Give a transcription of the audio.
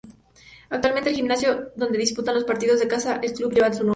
Actualmente, el gimnasio donde disputa los partidos de casa el club lleva su nombre.